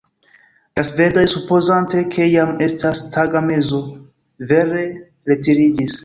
La svedoj, supozante ke jam estas tagmezo, vere retiriĝis.